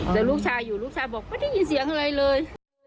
แต่ลูกชายอยู่ลูกชายบอกไม่ได้ยินเสียงอะไรเลย